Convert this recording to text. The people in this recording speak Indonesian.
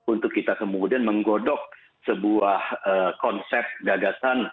untuk kita kemudian menggodok sebuah konsep gagasan